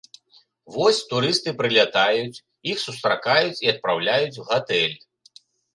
Вось турысты прылятаюць, іх сустракаюць і адпраўляюць у гатэль.